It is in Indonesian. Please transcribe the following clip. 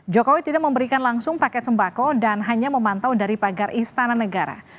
jokowi tidak memberikan langsung paket sembako dan hanya memantau dari pagar istana negara